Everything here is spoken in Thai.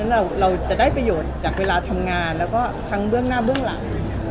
เราจะได้ประโยชน์จากเวลาทำงานแล้วก็ทั้งเบื้องหน้าเบื้องหลัง